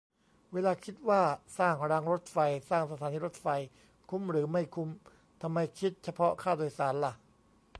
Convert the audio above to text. เวลาคิดว่าสร้างรางรถไฟ สร้างสถานีรถไฟ คุ้มหรือไม่คุ้ม ทำไมคิดเฉพาะค่าโดยสารล่ะ ?